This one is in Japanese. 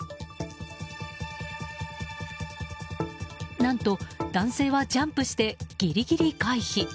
何と男性はジャンプしてギリギリ回避。